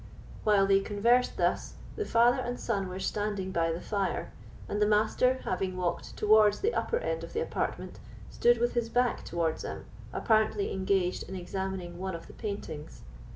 While they conversed thus, the father and son were standing by the fire; and the Master, having walked towards the upper end of the apartment, stood with his back towards them, apparently engaged in examining one of the paintings.